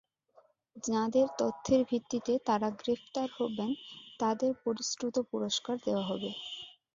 যাঁদের তথ্যের ভিত্তিতে তাঁরা গ্রেপ্তার হবেন, তাঁদের প্রতিশ্রুত পুরস্কার দেওয়া হবে।